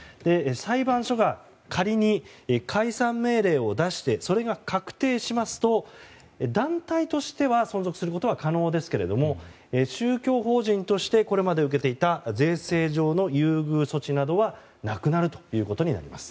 裁判所が仮に解散命令を出してそれが確定しますと団体としては存続することは可能ですけれども宗教法人としてこれまで受けていた税制上の優遇措置などはなくなるということになります。